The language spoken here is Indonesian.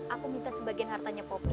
aku minta sebagian hartanya popi